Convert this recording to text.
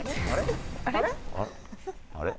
あれ？